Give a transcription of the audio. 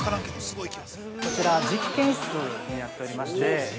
◆こちら実験室になっておりまして。